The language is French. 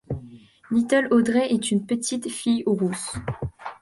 Little Audrey est une petite fille rousse.